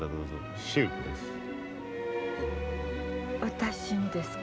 私にですか？